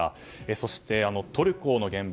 そして、トルコの現場